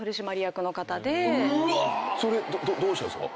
それどうしたんですか？